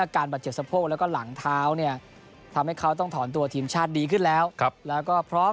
การบาดเจ็บสะโพกแล้วก็หลังเท้าเนี่ยทำให้เขาต้องถอนตัวทีมชาติดีขึ้นแล้วแล้วก็พร้อม